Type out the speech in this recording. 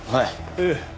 ええ。